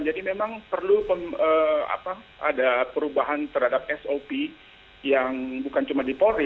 jadi memang perlu ada perubahan terhadap sop yang bukan cuma di polri